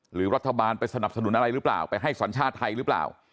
หรือรัฐบาลไปสนับสนุนอะไรหรือเปล่าไปให้สัญชาติไทยหรือเปล่า